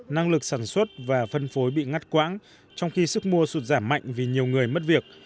năng lực sản xuất và phân phối bị ngắt quãng trong khi sức mua sụt giảm mạnh vì nhiều người mất việc